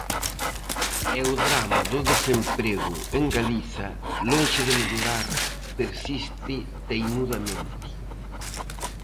E o drama do desemprego en Galiza, lonxe de mellorar, persiste teimudamente.